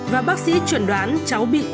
và bác sĩ chuyển đoán cháu bị cong vẹo